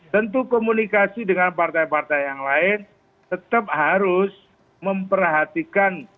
tentu komunikasi dengan partai partai yang lain tetap harus memperhatikan